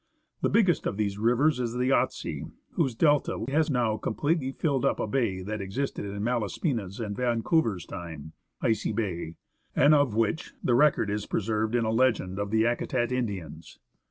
The biggest of these rivers is the Yahtse, whose delta has now completely filled up a bay that existed in Malaspina's and Vancouver's time (Icy Bay), and of which the record is preserved in a legend of the Yakutat Indians.